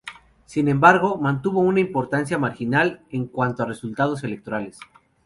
Sin embargo, mantuvo una importancia marginal en cuanto a resultados electorales.